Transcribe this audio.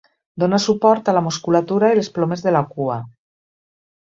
Dóna suport a la musculatura i les plomes de la cua.